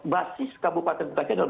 basis kabupaten bekasi adalah